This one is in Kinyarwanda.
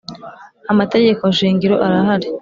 amategeko shingiro arahari.